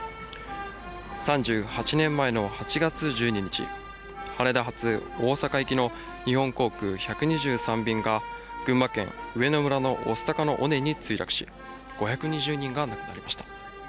３８年前の８月１２日、羽田発大阪行きの日本航空１２３便が、群馬県上野村の御巣鷹の尾根に墜落し、５２０人が亡くなりました。